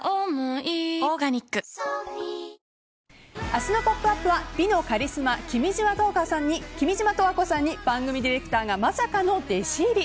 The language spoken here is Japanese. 明日の「ポップＵＰ！」は美のカリスマ、君島十和子さんに番組ディレクターがまさかの弟子入り。